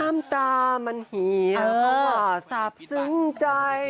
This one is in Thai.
น้ำตามันเหี่ยวเพราะว่าทราบซึ้งใจ